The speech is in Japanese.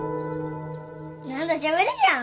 何だしゃべるじゃん。